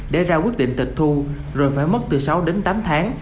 để ra quyết định tịch thu rồi phải mất từ sáu đến tám tháng